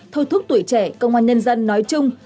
thôi thúc tuổi trẻ công an nhân dân nói chung